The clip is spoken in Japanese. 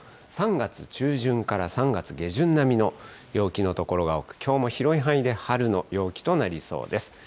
３月中旬から３月下旬並みの陽気の所が多く、きょうも広い範囲で春の陽気となりそうです。